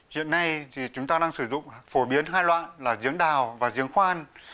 hiện nay thì chúng ta đang sử dụng phổ biến hai loại là giếng đào và giếng khoan